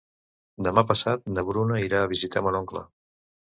Demà passat na Bruna irà a visitar mon oncle.